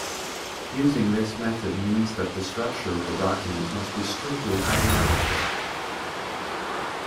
Using this method means that the structure of the document must be strictly hierarchical.